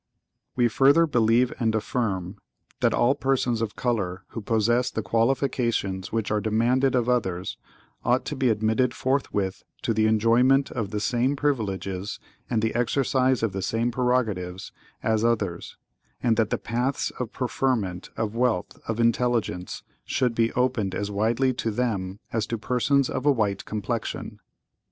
(¶ 21) We further believe and affirm— (¶ 22) That all persons of color who possess the qualifications which are demanded of others, ought to be admitted forthwith to the enjoyment of the same privileges, and the exercise of the same prerogatives, as others; and that the paths of preferment, of wealth, of intelligence, shouldbe opened as widely to them as to persons of a white complexion.